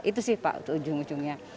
itu sih pak ujung ujungnya